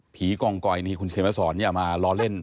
ผีกองกอยนี่คุณเคยมาสอนมาล้อเล่น